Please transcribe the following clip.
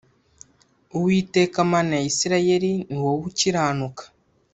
Uwiteka mana ya isirayeli ni wowe ukiranuka